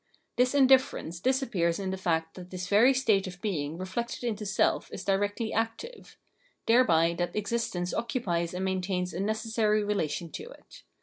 This indifference disappears in the fact that this very state of being reflected into self is directly active : thereby that existence occupies and maintains a necessary relation to it.